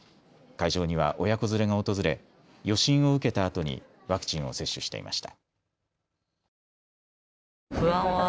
会場には親子連れが訪れ予診を受けたあとにワクチンを接種していました。